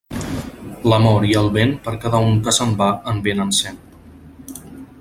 L'amor i el vent, per cada un que se'n va en vénen cent.